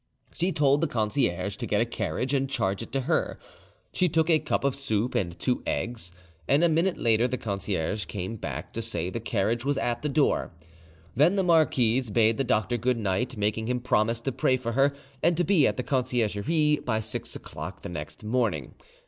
She told the concierge to get a carriage and charge it to her. She took a cup of soup and two eggs, and a minute later the concierge came back to say the carriage was at the door. Then the marquise bade the doctor good night, making him promise to pray for her and to be at the Conciergerie by six o'clock the next morning.